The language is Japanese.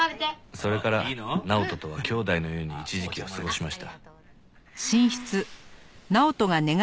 それから直人とは兄弟のように一時期を過ごしました。